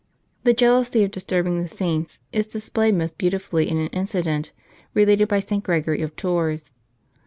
This jealousy of disturbing the saints, is displayed most beautifully in an incident, related by St. Gregory of Tours.